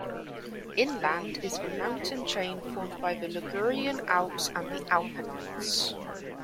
Inland is the mountain chain formed by the Ligurian Alps and the Apennines.